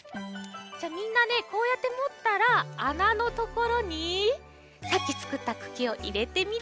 じゃあみんなねこうやってもったらあなのところにさっきつくったくきをいれてみてください。